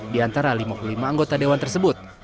di antara lima puluh lima anggota dewan tersebut